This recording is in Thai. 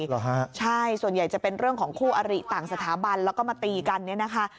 เหรอฮะใช่ส่วนใหญ่จะเป็นเรื่องของคู่อริต่างสถาบันแล้วก็มาตีกันเนี่ยนะคะ